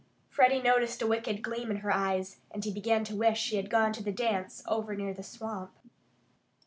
Freddie noticed a wicked gleam in her eyes. And he began to wish he had gone to the dance over near the swamp.